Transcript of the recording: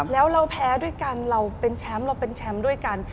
แล้วเราแพ้ด้วยกันเราเป็นแชมป์เราเป็นแชมป์ด้วยกัน